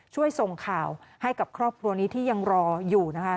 ช่วยส่งข่าวให้กับครอบครัวนี้ที่ยังรออยู่นะคะ